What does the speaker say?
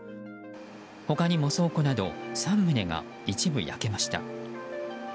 他にも倉庫など３棟が一部焼けました。